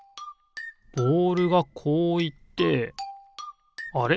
ボールがこういってあれ？